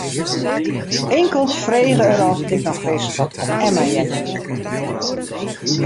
Inkeld frege er oft ik noch ris wat fan Emma heard hie.